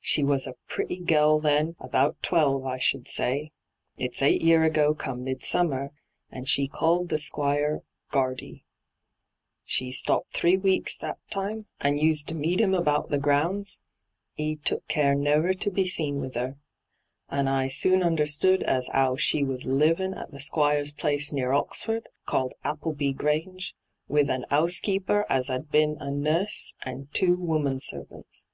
She was a pretty little gell then, about twelve I should say — it's eight year ago come midsummer — and she called the Squire " Qiiardy." She stopped three weeks that time, and used to meet 'im about the grounds hyGoo^lc ENTRAPPED 99 — 'e took care never to be seen with *er. And I soon understood as 'ow she was living at the Squire's place near Oxford, called Appleby Grange, with an 'oasekeeper as 'ad been a nUBS, and two woman servants.